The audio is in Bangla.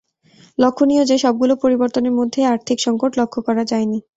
লক্ষ্যণীয় যে, সবগুলো পরিবর্তনের মধ্যেই আর্থিক সঙ্কট লক্ষ্য করা যায়নি।